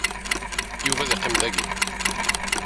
Yuba ad iqqim dagi.